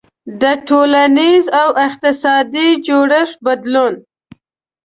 • د ټولنیز او اقتصادي جوړښت بدلون.